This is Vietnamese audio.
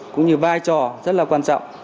cũng như vai trò rất là quan trọng